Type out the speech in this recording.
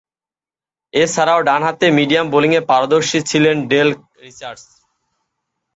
এছাড়াও, ডানহাতে মিডিয়াম বোলিংয়ে পারদর্শী ছিলেন ডেল রিচার্ডস।